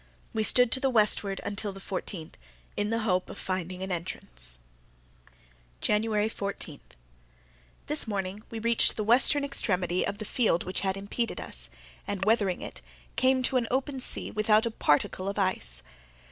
We stood to the westward until the fourteenth, in the hope of finding an entrance. January 14.—This morning we reached the western extremity of the field which had impeded us, and, weathering it, came to an open sea, without a particle of ice.